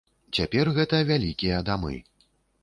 Цяпер гэта вялікія дамы.